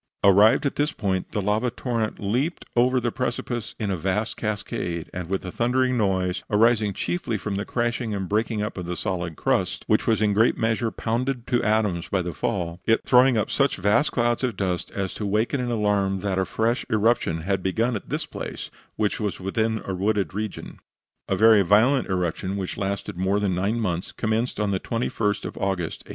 Arrived at this point, the lava torrent leaped over the precipice in a vast cascade, and with a thundering noise, arising chiefly from the crashing and breaking up of the solid crust, which was in a great measure pounded to atoms by the fall; it throwing up such vast clouds of dust as to awaken an alarm that a fresh eruption had begun at this place, which is within the wooded region. A very violent eruption, which lasted more than nine months, commenced on the 21st of August, 1852.